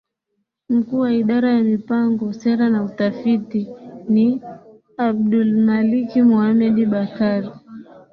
Mkuu wa Idara ya Mipango Sera na Utafiti ni Abdulmalik Mohamed Bakar